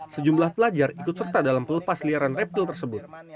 sejumlah pelajar ikut serta dalam pelepas liaran reptil tersebut